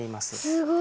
すごい！